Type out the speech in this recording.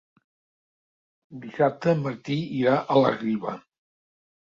Dissabte en Martí irà a la Riba.